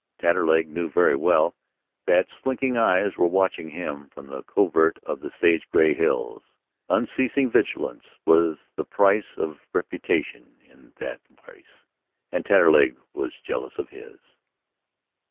Taterleg knew very well that slinking eyes were watching him from the covert of the sage gray hills. Unceasing vigilance was the price of reputation in that place, and Taterleg was jealous of his.